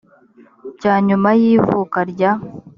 cya nyuma y ivuka rya